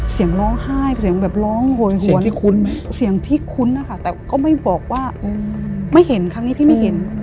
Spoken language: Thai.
เสียงร้องไห้เสียงแบบร้องโหยหวนไหมเสียงที่คุ้นนะคะแต่ก็ไม่บอกว่าไม่เห็นครั้งนี้ที่ไม่เห็น